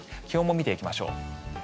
気温も見てきましょう。